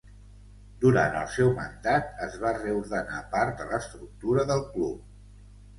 Durant el seu mandat es va reordenar part de l'estructura del club.